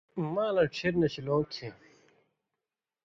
مالاں ڇھیرنشیۡ لُوں کھیں